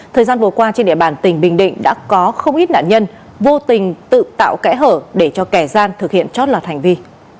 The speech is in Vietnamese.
thời gian vừa qua trên địa bàn tỉnh bình định đã có không ít nạn nhân vô tình tự tạo kẽ hở để cho kẻ gian thực hiện chót lọt hành vi